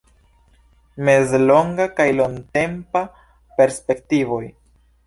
Mezlonga kaj longtempa perspektivoj.